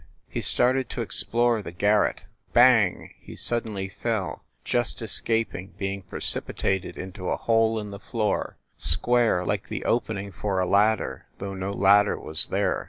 He started to explore the garret. Bang! he suddenly fell, just escaping being precipitated into a hole in the floor, square, like the opening for a ladder, though no ladder was there.